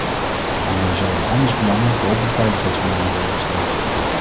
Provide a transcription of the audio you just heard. Daarmee zouden handelsbelangen boven veiligheidsbelangen worden gesteld.